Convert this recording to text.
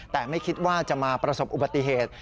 แต่ไม่คิดว่าจะมาประสบอุบัติเหตุ